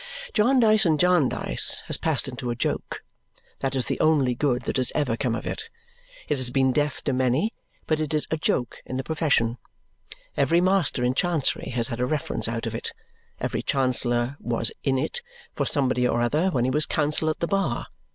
Jarndyce and Jarndyce has passed into a joke. That is the only good that has ever come of it. It has been death to many, but it is a joke in the profession. Every master in Chancery has had a reference out of it. Every Chancellor was "in it," for somebody or other, when he was counsel at the bar.